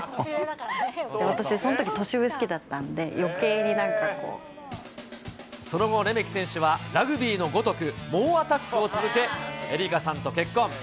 私、そのとき年上好きだったので、その後、レメキ選手はラグビーのごとく、猛アタックを続け、恵梨佳さんと結婚。